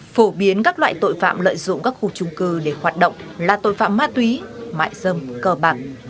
phổ biến các loại tội phạm lợi dụng các khu trung cư để hoạt động là tội phạm ma túy mại dâm cờ bạc